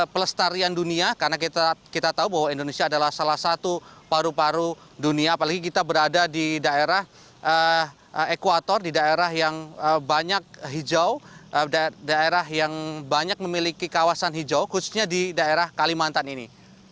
pelestarian dunia karena kita tahu bahwa indonesia adalah salah satu paru paru dunia apalagi kita berada di daerah ekwator di daerah yang banyak hijau daerah yang banyak memiliki kawasan hijau khususnya di daerah kalimantan ini